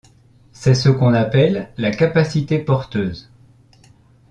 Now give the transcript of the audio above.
C'est ce qu'on appelle la capacité porteuse.